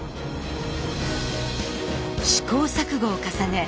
試行錯誤を重ね